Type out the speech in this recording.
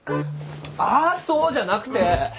「あっそう」じゃなくて！